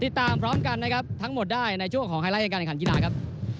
ติดตามพร้อมกันนะครับทั้งหมดได้ในช่วงของไฮไลท์ในการแข่งขันกีฬาครับ